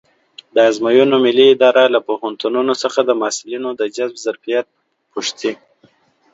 د ازموینو ملي اداره له پوهنتونونو څخه د محصلینو د جذب ظرفیت پوښتي.